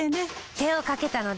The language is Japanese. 手をかけたので。